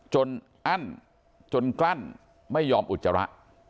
อั้นจนกลั้นไม่ยอมอุจจาระ